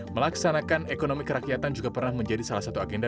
melaksanakan ekonomi kerakyatan juga pernah menjadi salah satu agenda